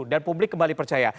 dan publik kembali percaya